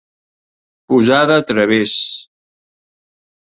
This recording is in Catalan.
Posar de través.